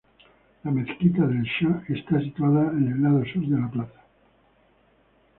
La mezquita del Shah está situado en el lado sur de la plaza.